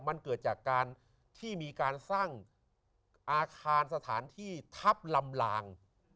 มันเกิดจากการที่มีการสร้างอาคารสถานที่ทัพลำลาง